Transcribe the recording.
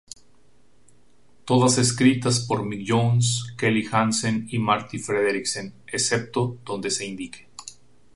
Todas escritas por Mick Jones, Kelly Hansen y Marti Frederiksen, excepto donde se indique.